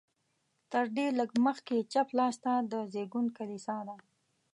تر دې لږ مخکې چپ لاس ته د زېږون کلیسا ده.